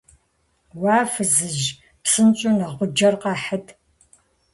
- Уа, фызыжь, псынщӀэу нэгъуджэр къэхьыт!